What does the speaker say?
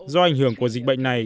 do ảnh hưởng của dịch bệnh này